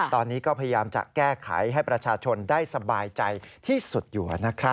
ตอนนี้ก็พยายามจะแก้ไขให้ประชาชนได้สบายใจที่สุดอยู่นะครับ